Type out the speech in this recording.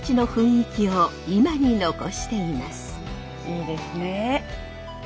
いいですね。